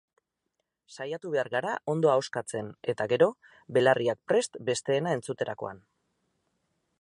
Saiatu behar gara ondo ahoskatzen eta gero, belarriak prest besteena entzuterakoan.